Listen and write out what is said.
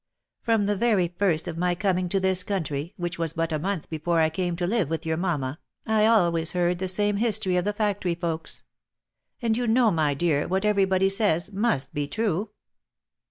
From the very first of my coming to this country, which was but a month before I came to live with your mamma, I always heard the same history of the factory folks. And you know, my dear, what every body says, must be true."